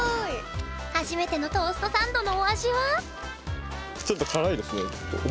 初めてのトーストサンドのお味は？